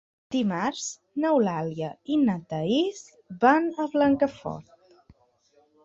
Dimarts n'Eulàlia i na Thaís van a Blancafort.